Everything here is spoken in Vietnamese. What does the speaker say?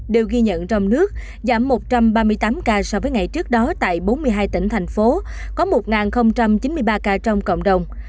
đều ghi nhận trong nước giảm một trăm ba mươi tám ca so với ngày trước đó tại bốn mươi hai tỉnh thành phố có một chín mươi ba ca trong cộng đồng